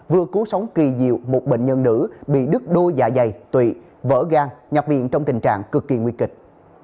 vừa cứu sống kỳ diệu một bệnh nhân nữ bị đứt đôi dạ dày tụy vỡ gan nhập viện trong tình trạng cực kỳ nguy kịch